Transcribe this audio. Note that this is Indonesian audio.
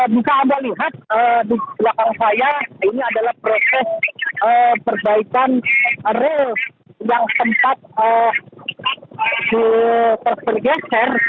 bisa anda lihat di belakang saya ini adalah proses perbaikan rel yang sempat bergeser